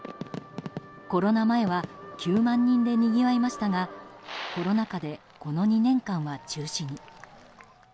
コロナ前は９万人でにぎわいましたがコロナ禍でこの２年間は中止に。